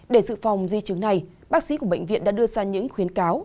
để dự phòng di chứng này bác sĩ của bệnh viện đã đưa ra những khuyến cáo